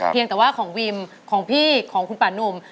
เพียงแต่ว่าของวิมของพี่ของคุณป่านุ่ม